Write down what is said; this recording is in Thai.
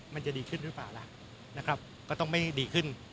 มันจะดีขึ้นหรือเปล่าล่ะนะครับก็ต้องไม่ดีขึ้น